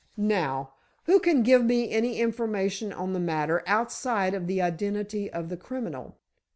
Now, who can give me any information on the matter, outside of the identity of the criminal?"